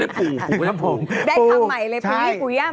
ได้คำใหม่เลยปู่ยี่ปู่ย่ำ